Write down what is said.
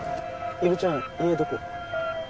伊織ちゃん家どこ？